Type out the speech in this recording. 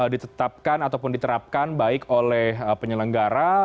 ditetapkan ataupun diterapkan baik oleh penyelenggara